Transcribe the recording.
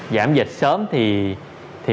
giảm dịch sớm thì